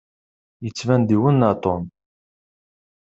Yettban-d iwenneɛ Tom.